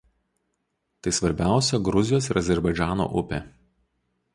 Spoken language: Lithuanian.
Tai svarbiausia Gruzijos ir Azerbaidžano upė.